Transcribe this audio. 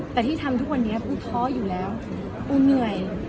แต่ที่ทำทุกวันนี้กูท้ออยู่แล้วกูเหนื่อย